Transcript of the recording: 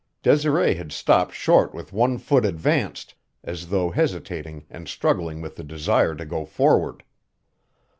Desiree had stopped short with one foot advanced, as though hesitating and struggling with the desire to go forward.